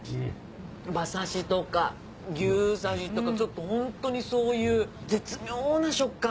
馬刺しとか牛刺しとかホントにそういう絶妙な食感。